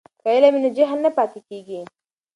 که علم وي نو جهل نه پاتې کیږي.